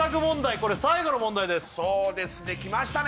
これ最後の問題ですそうですねきましたね